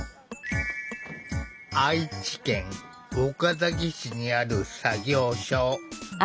愛知県岡崎市にある作業所。